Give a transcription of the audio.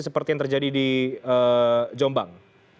seperti yang terjadi di jombang